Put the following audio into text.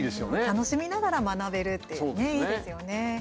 楽しみながら学べるっていいですよね。